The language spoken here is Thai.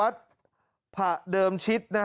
มันตายมาแล้วมันตายมาแล้ว